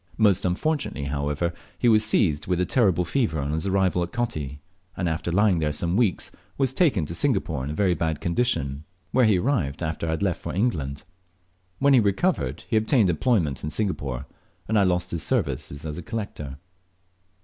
Most unfortunately, however, he was seized with a terrible fever on his arrival at Coti, and, after lying there some weeks, was taken to Singapore in a very bad condition, where he arrived after I had left for England. When he recovered he obtained employment in Singapore, and I lost his services as a collector.